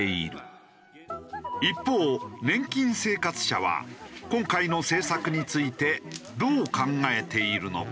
一方年金生活者は今回の政策についてどう考えているのか？